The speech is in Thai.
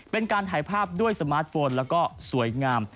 เป็นการถ่ายภาพด้วยสมาร์ทโฟนแล้วก็สวยงาม